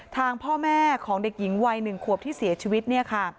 ทางพ่อแม่ของเด็กหญิงวัย๑ขวบที่เสียชีวิตเนี่ยค่ะ